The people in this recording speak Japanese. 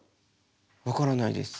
分からないです。